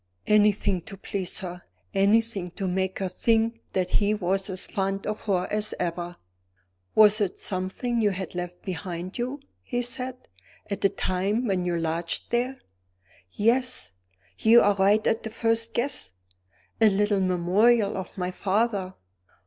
Anything to please her! Anything to make her think that he was as fond of her as ever! "Was it something you had left behind you," he said, "at the time when you lodged there." "Yes! you are right at the first guess a little memorial of my father.